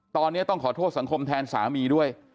ตอนนี้ต้องขอโทษสังคมแทนสามีด้วย